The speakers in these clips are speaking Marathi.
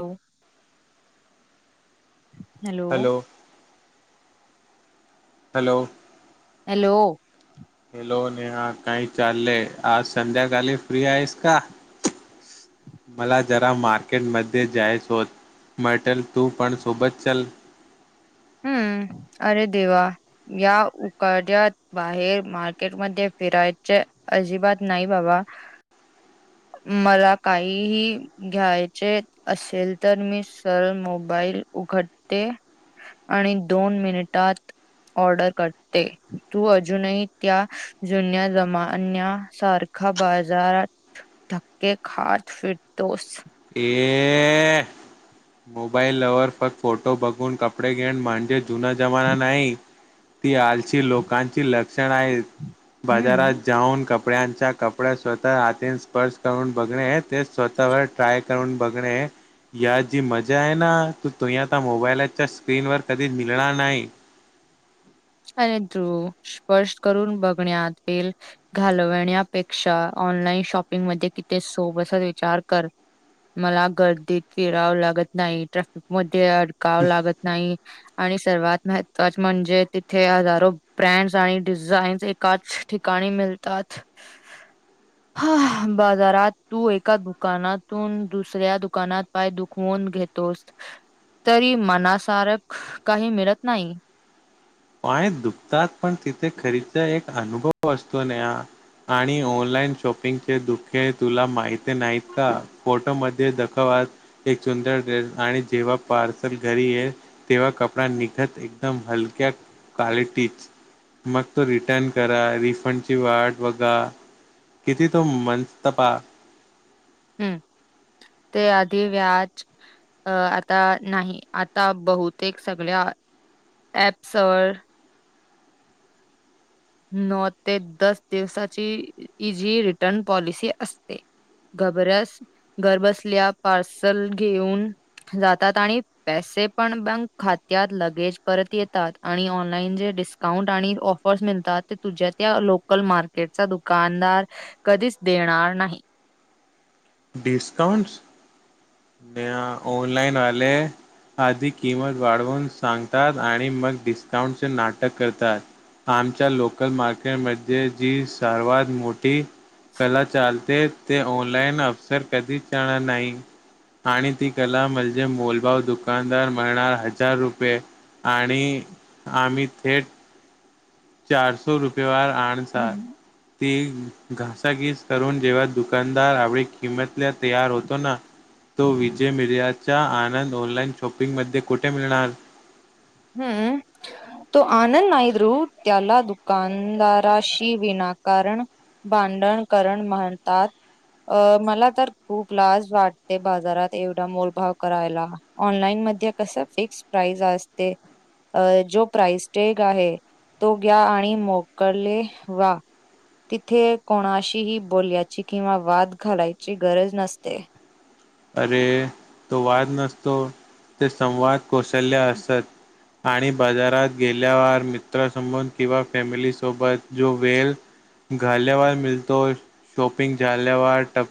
हो hello hello hello hello Neha काय चाललंय आज संध्याकाळी फ्री आहेस का? मला जरा मार्केट मध्ये जायच होत. मटल तू पण सोबत चल. हम्म अरे देवा या उकाड्या बाहेर मार्केटमध्येध्ये फिरायचे अजिबात नाही बाबा. मला काहीही घ्यायचे असेल तर मी सर मोबाईल उघडते. आणि दोन मिनिटात ऑर्डर करते तू अजूनही त्या जुन्या जमान्यासारख बाजारात धके खात फिरतोस. ए मोबाईल वर फक् फोटो बघून कपडे घेन म्हणजे जुना जमाना नाही. ती आलशी लोकांची लक्षण आहे हम्म बाजारात जाऊन कपड्यांच्या कपड्या स्वतः हातीन स्पर्श करून बघणे ते स्वतःवर ट्राय करून बघणे. या जी मजा आहे ना तू तुम्ही आता मोबाईलाच्या स्क्रीनवरर कधीच मिळणार नाही. आणि तू, स्पर्श करून बघण्यात एल घालवण्यापेक्षा, ऑनलाईन शॉपिंग मध्ये किती सोब विचार कर. मला गर्दीत फिरावं लागत नाही तर मध्ये अडकाव लागत नाही, आणि सर्वात महत्वाच म्हणजे इथे हजारो ब्रँड्स आणि डिझाईन्स एकाच ठिकाणी मिलतात. ह [unintelligible] [inaudible] ह, बाजारात तू एका दुकानातून दुसऱ्या दुकानात पाय दुखवून घेतोस, तरी मनासारक काही मिळत नाही. पाय दुखतात, पण तिथे खरीदीचा एक अनुभव असतो न आणि ऑनलाइन शॉपिंगचे दुखे तुला माहित नाहीत का? फोटोमध्ये दखवत एक सुंदर ड्रेस, आणि जेव्हा पार्सल घरी ये तेव्हा कपडा निघत, एकदम हलक्या क्वालिटीच. मग तो रिटर्न करा, रिफंड ची वाट बघा. किती तो [unintelligible] हम्म! ते आधी व्याज अ आता नाही, आता बहुतेक सगळ्या ॲप्स वर न ते दस दिवसाची जी रिटर्न पॉलिसी असते. घबरस घरबसल्या पार्सल घेऊन जातात, आणि पैसे पण बँक खात्यात लगेज परत येतात, आणि ऑनलाइन जे डिस्काउंट आणि ऑफर्स मिळतात तुझ्या त्या लोकल मार्केटचा दुकानदार, कधीच देणार नाही. डिस्काउंटस? म ऑनलाइन आले आधी किंमत वाढवून सांगतात, आणि मग डिस्काउंटचे नाटक करतात. आमच्या लोकल मार्केटमध्ये जी सर्वात मोठी कला चालते, ते ऑनलाईन अपसर कधीच जाणार नाही. आणि ती कला म्हणजे, मोलभाऊ दुकानदार म्हणणार हजार रुपये आणि आम्ही थेट चारसो रुपयाे वर आणसार ती घासाघीस करून, जेव्हा दुकानदार आपडी किंमतला तयार होतो ना तो विजय मिरयाचा आनंद ऑनलाइन शॉपिंग मध्ये कुठे मिळणार? हम् तो आनंद नाही ध्रु, त्याला दुकानदाराशी विनाकारण भांडण करण म्हणतात. अ मला तर खूप लाज वाटते, बाजारात एवढा मोलभाव करायला. ऑनलाईन मध्ये कसं, फिक्स्ड प्राईस असते. अ जो प्राइसटेग आहे, तो घ्या आणि मोकले वा. तिथे कोणाशीही बोलल्याची, किंवा वाद घालायची, गरज नसते. अरे! तो वाद नसतो, ते संवाद कौशल्य असत. आणि बाजारात गेल्यावर मित्रासमोर, किंवा फॅमिली सोबत, जो वेळ घालवायला मिळतो, शॉपिंग झलिवाार टप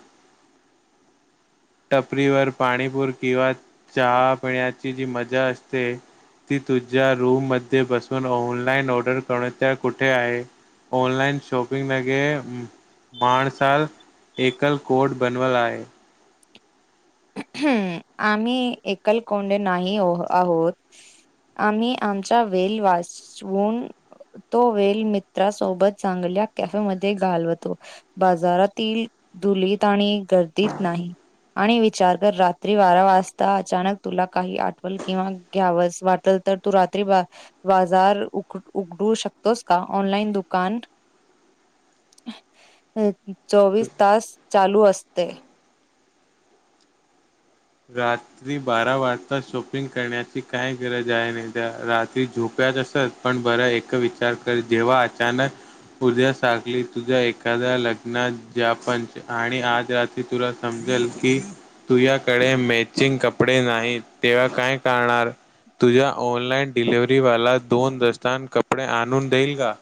टपरीवर पाणीपूर, किंवा चहा पिण्याची, जी मजा असते ती तुझ्या रूम मध्ये बसून ऑनलाइन ऑर्डर करण्यात त्या कुठे आहे? ऑनलाईन शॉपिंग लगे माणसाल एकल कोट बनवल आहे. हम्! आम्ही एकल कोंडे नाही आहोत. आम्ही आमचा वेल वाचवून तो वेल मित्रासोबत चांगल्या कॅफेमध्ये घालवतो बाजारातील ुलीत आणि गर्दीत नाही आणि विचार कर रात्री बारा वाजता अचानक तुला काही आठवल किंवा घ्याव वाटल तर तू रात्री बा बाजार उ उघडू शकतोस का ऑनलाईन दुकान अ चोवीस तास चालू असते गात क्री बारा वाजता शॉपिंग करण्याची काय गरज आहे नाही द्या रात्री झोप्यात असत पण बर एक विचार कर जेव्हा अचानक उद्या सागली तुझ्या एखाद्या लग्नात ज्या पंच आणि आज रात्री तुला समजेल की तुया क कडे मॅचिंग कपडे नाही तेव्हा काय करणार तुझ्या ऑनलाईन डिलिव्हरीवाला दोन दस्तांन कपडे आणून देईल का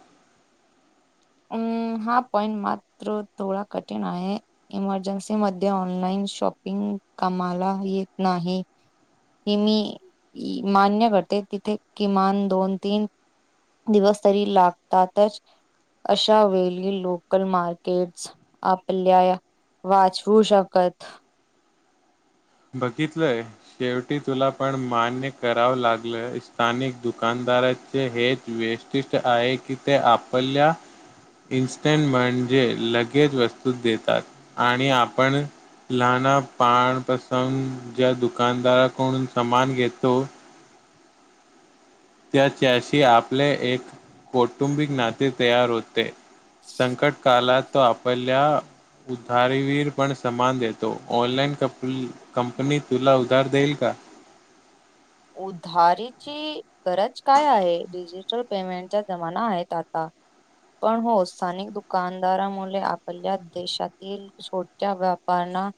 अं हा पॉइंट मात्र थोडा कठीण आहे इमर्जन्सी म ऑनलाइन शॉपिंग कामाला येत नाही हे मी मान्य करते तिथे किमान दोन तीन दिवस तरी लागतातच अशा वेली लोकल मार्केट्स आपल्या वाचवू शकत बघितलंय शेवटी तुला पण मान्य करावं लागल स्थानिक दुकानदाराचे हेच वेस् उिष्ट आहे कि ते आपल्या. इन्स्टंट म्हणजे लगेच वस्तू देतात आणि आपण लना पाणपसंग ज्या दुकानदाराकडून सामान घेतो त्या शी आपले एक कौटुंबिक नाते तयार होते संकट कालात तो आपल्या उधारीवीर पण समान देतो. ऑनलाइन कप कंपनी तुला उधार देईल. का उधारीची गरज काय आहे. डिजिटल पेमेंटच्या जमाना आहेत. आता पण हो स्थानिक दुकानदारामुळे आपल्या देशातील सोच्या वपार ना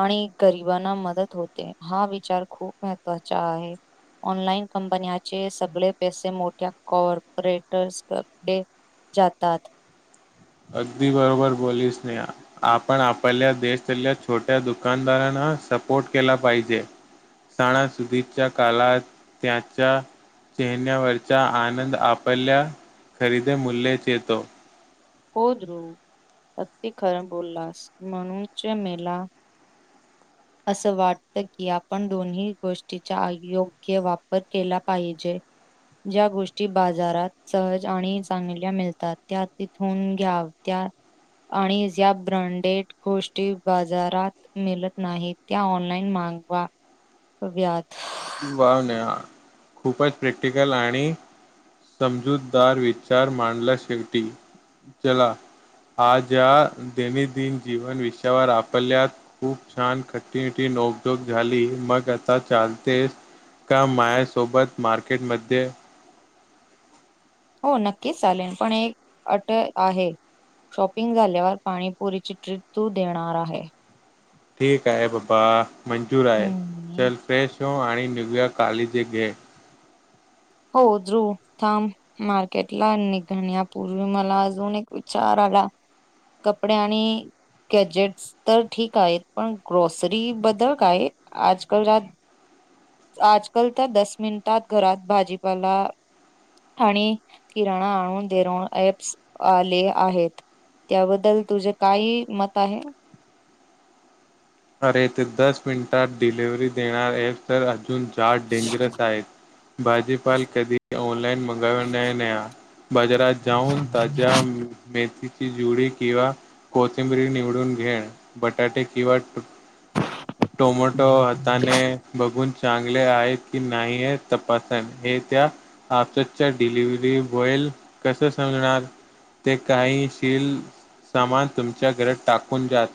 आणि गरिबांना मदत होते. हा विचार खूप महत्त्वाचा आहे. ऑनलाइन कंपन्याचे सगळे पैसे. मोठ्या कॉर्परेटर्सडे जातात अगदी बरोबर बोललीस नाही या आपण आपल्या देशातल्या छोट्या दुकानदारांना सपोर्ट केला पाहिजे. सणासुदीच्या काळात त्याच्या चेहन्यावरच्या आनंद आपल्या खरेदीे मूल्यच येतो. हो ध्रुव अती खरं बोललास म्हणुच. मेला [inaudible] असं वाटत की आपण दोन्ही गोष्टीचा अयोग्य वापर केला. पाहिजे. ज्या गोष्टी बाजारात सहज आणि चांगल्या मिळतात. त्या होऊन घ्याव. त्या आणि या ब्रँडेड गोष्टी बाजारात मिळत नाहीत. त्या ऑनलाइन मागवा व्यात. वा न्या खूपच प्रॅक्टिकल आणि समजूतदार विचार मांडला शेवटी चला. हा ज्या दैनिंदिन जीवन विषयावर आपल्या खूप छान कठीणटी नको टोक झाली मग आता चाल. ते का मायासोबत मार्केटमध्ये. हो नक्कीच, चालेल पण एक अट आहे. शॉपिंग झाल्यावर पाणीपुरीची ट्रीप तू देणार आहे. ठीक आहे बाबा मंजूर आहे हम्म. चल फ्रेश हो आणि निघूया कालिजी घे. हो जु थांम. मार्केट ला निघण्या पूर्वी, मला अजून एक विचार आला. कपडे आणि कॅजेट्स तर ठीक आहेत. पण ग्रॉसरी बद्दल काय आजकाल आजकाल तर दस मिनिटात घरात भाजीपाला. आणि किराणा आणून देन ॲप्स आले आहेत. त्याबद्दल तुझे, काय मत आहे. अरे ते दस मिनिटात डिलिव्हरी देणार आहेत. सर अजून जाड डेंजरस आहेत. भाजीपाल कधी ऑनलाइन मगा नाही न. बाजारात जाऊन ताज्या मेथीची जुडी किंवा कोथिंबिरी निवडून घे बटाटे किंवा टोमोटो हाताने. बघून चांगले आहेत की नाहीय तपासण हे त्या आपसच्या डिलिव्हरी, बॉयल कसं सांगणार. ते काहीशील सामान तुमच्या घरात टाकून द्या.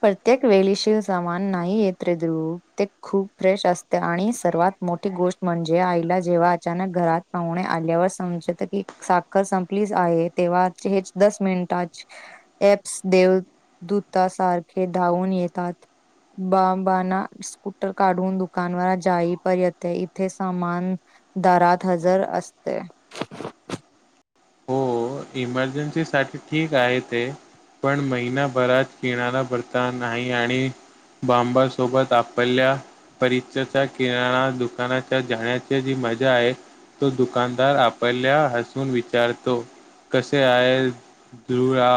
प्रत्येक वेळे शील सामान नाही येत रे द्रुप ते खूप फ्रेश असते आणि सर्वात मोठी गोष्ट म्हणजे, आईला जेव्हा अचानक घरात पाहुणे आल्यावर समजत, की साखर संपलीच आहे, तेव्हा हेच दस मिनिटा एपस देवदूतासारखे धावून येतात. बाबाणा स्कूटर काढून दुकानवर जाई, परर्यंत इथे सामान दारात हजर असते. हो इमर्जन्सी साठी ठीक आहे ते. पण महिनाभरात पिणारा बरता नाही आणि बांब सोबत आपल्या परिचचा किराणा दुकानाच्या जाण्याची जी मजा आहे. तो दुकानदार आपल्या हसून विचारतो. कसे आहेस, दूळा.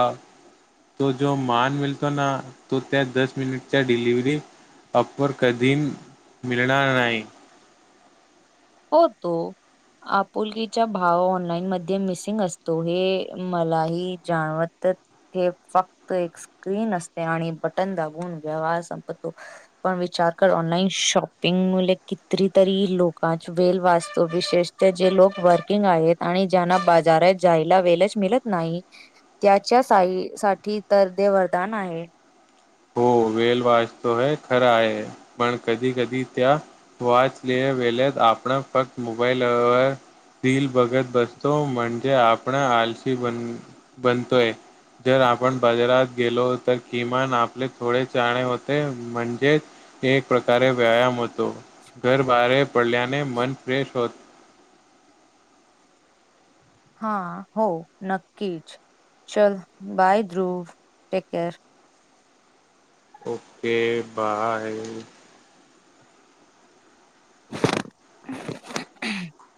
तो जो मान मिळतो ना, तो त्या दस मिनिटच्या डिलिव्हरी अपर कधी मिळणार नाही. होतो. आपुलकीचा भाव, ऑनलाईन मध्ये मिसिंग असतो, हे मलाही जाणवत. हे फक्त एक स्क्रीन असते, आणि बटन दाबवून व्यवहार संपतो. पण विचार कर, ऑनलाईन शॉपिंग मुळे, कितरीतरी लोक वेल वाचतो, विशेषत जे लोक वर्किंग आहेत आणि ज्यांना बाजारात जायला वेलच मिळत नाही, त्याच्या साई साठी तर दे वरदान आहे. हो वेल वाचतो हे खरं आहे, पण कधी कधी त्या वाचलेल्या वेल्यात, आपण फक्त मोबाईलवर, दिल बघत बसतो, म्हणजे आपण आलशी बन बनतोय. जर आपण बाजारात गेलो, तर किमान आप ले थोडे चालने होते, म्हणजेच, एक प्रकारे व्यायाम हो तो, घर बाहेर पडल्याने मन फ्रेश होत. हा, हो, नक्कीच, चल bye bro, take care. Okay bye, [inaudible]